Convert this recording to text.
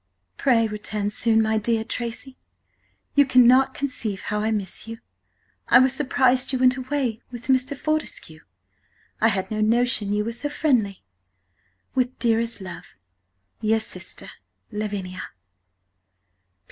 "Pray, return soon, my dear Tracy, you cannot conceive how I miss you. I was surprised you went away with Mr. Fortescue, I had no Notion you were so friendly. With dearest Love, Yr. Sister LAVINIA.